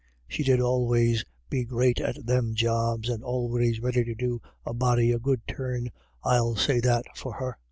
She did always be great at them jobs, and always ready to do a body a good turn, I'll say that for her."